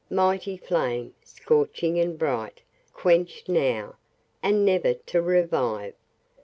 Mighty flame, scorching and bright, quenched now, and never to revive.